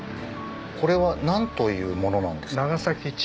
これは何というものなんですか？